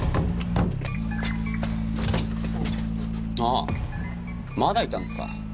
あまだいたんですか？